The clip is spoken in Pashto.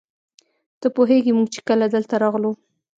ته پوهېږې موږ چې کله دلته راغلو.